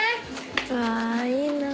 うわいいな。